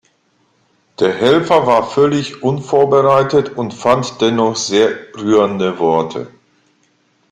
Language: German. Der Helfer war völlig unvorbereitet und fand dennoch sehr rührende Worte.